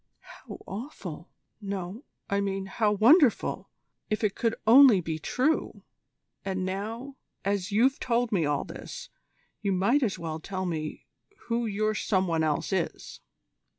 "How awful no, I mean how wonderful if it could only be true! And now, as you've told me all this, you might as well tell me who your some one else is."